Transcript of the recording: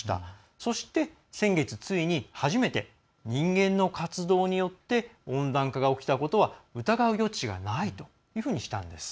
そして、先月ついに初めて人間の活動によって温暖化が起きたことは疑う余地がないというふうにしたんです。